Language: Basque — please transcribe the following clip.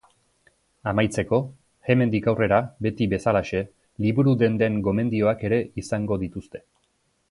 Amaitzeko, hemendik aurrera beti bezalaxe, liburu-denden gomendioak ere izango dituzte.